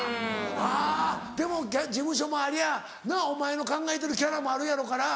あぁでも事務所もありゃあなお前の考えてるキャラもあるやろうから。